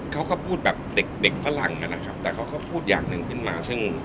เขาก็พูดแบบเด็กเด็กฝรั่งนะครับแต่เขาก็พูดอย่างหนึ่งขึ้นมาซึ่ง